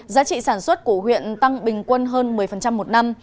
giá trị sản xuất của huyện tăng bình quân hơn một mươi một năm